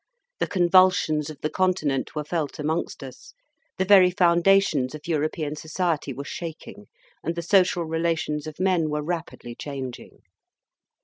The convulsions of the Continent were felt amongst us; the very foundations of European society were shaking, and the social relations of men were rapidly changing.